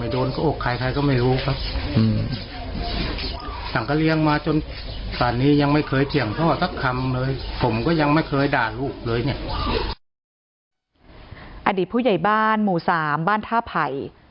อดีตผู้ใหญ่บ้านหมู่๓บ้านท่าไผ่